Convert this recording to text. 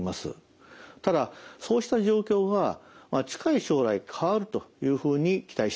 ただそうした状況が近い将来変わるというふうに期待しています。